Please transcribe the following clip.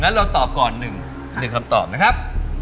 เราตอบก่อน๑คำตอบนะครับ